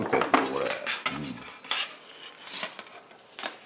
これ。